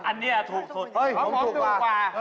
อันนี้ถูกสุดแล้วครับ